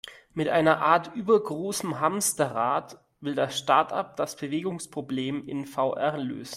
Mit einer Art übergroßem Hamsterrad, will das Startup das Bewegungsproblem in VR lösen.